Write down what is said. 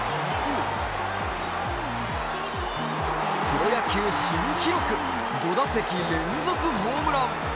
プロ野球新記録、５打席連続ホームラン。